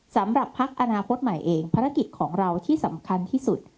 สำหรับพักอนาคตใหม่เองภารกิจของเราที่สำคัญที่สุด